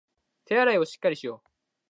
手洗いをしっかりしよう